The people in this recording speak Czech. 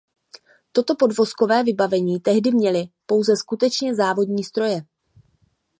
Toto podvozkové vybavení tehdy měly pouze skutečně závodní stroje.